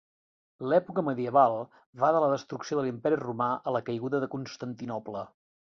L'època medieval va de la destrucció de l'imperi Romà a la caiguda de Constantinoble.